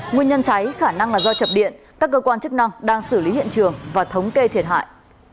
nguyên nhân cháy khả năng là do chập điện các cơ quan chức năng đang xử lý hiện trường và thống kê thiệt hại